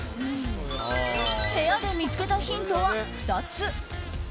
部屋で見つけたヒントは２つ。